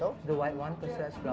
yang putih diambil sebagai perili